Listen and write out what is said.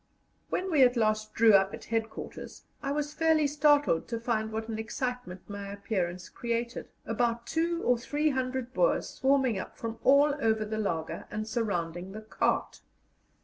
When we at last drew up at headquarters, I was fairly startled to find what an excitement my appearance created, about two or three hundred Boers swarming up from all over the laager, and surrounding the cart.